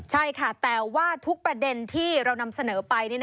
ใช่ค่ะแต่ว่าทุกประเด็นที่เรานำเสนอไป